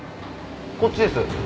こっちです。